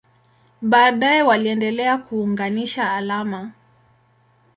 Baadaye waliendelea kuunganisha alama.